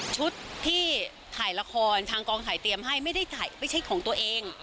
ชุดที่ถ่ายละครทางกองถ่ายเตรียมให้ไม่ใช่ของตัวเอง